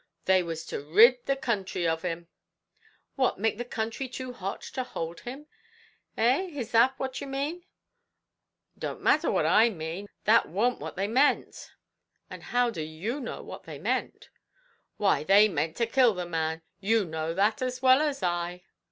"They were to rid the counthry of him." "What make the country too hot to hold him? eh, is that what you mean?" "It don't matter what I mean; that warn't what they meant." "And how do you know what they meant?" "Why, they meant to kill the man; you know that as well as I."